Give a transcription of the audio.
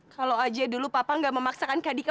kalau aja dulu papa gak memaksakan kadika